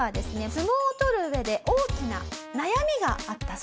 相撲をとる上で大きな悩みがあったそうなんです。